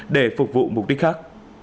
để phục vụ mục đích khác